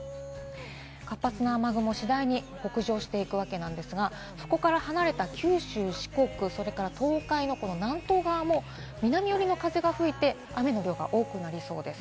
活発な雨雲、次第に北上していくわけなんですが、ここから離れた九州、四国、それから東海の南東側も南寄りの風が吹いて、雨の量が多くなりそうです。